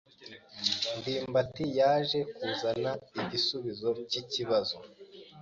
ndimbati yaje kuzana igisubizo cyikibazo.